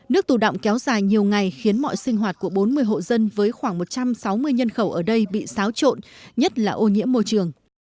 nước tù động kéo dài nhiều ngày khiến mọi sinh hoạt của bốn mươi hộ dân với khoảng một trăm sáu mươi nhân khẩu ở đây bị xáo trộn nhất là ô nhiễm môi trường